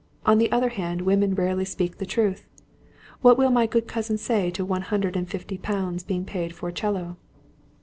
On the other hand women rarely speak the truth. What will my good cousin say to one hundred and fifty pounds being paid for a 'cello?"